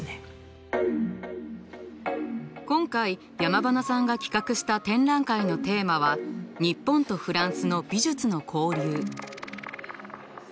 今回山塙さんが企画した展覧会のテーマは日本とフランスの美術の交流。